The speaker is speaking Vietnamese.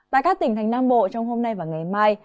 tại các tỉnh thành nam bộ trong hôm nay và ngày mai